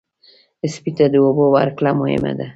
سپي ته د اوبو ورکړه مهمه ده.